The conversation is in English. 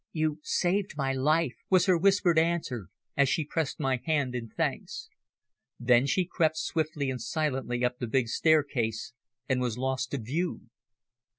"You saved my life," was her whispered answer, as she pressed my hand in thanks. Then she crept swiftly and silently up the big staircase and was lost to view.